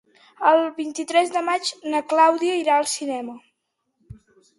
El vint-i-tres de maig na Clàudia irà al cinema.